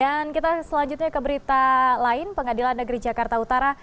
dan kita selanjutnya ke berita lain pengadilan negeri jakarta utara